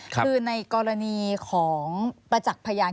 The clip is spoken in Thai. คือในกรณีของประจักษ์พยาน